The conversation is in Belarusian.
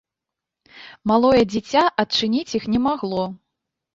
Малое дзіця адчыніць іх не магло.